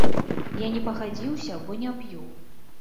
Я не пагадзіўся, бо не п'ю.